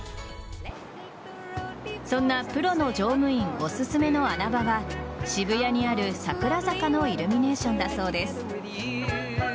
そんなプロの乗務員おすすめの穴場は渋谷にあるさくら坂のイルミネーションだそうです。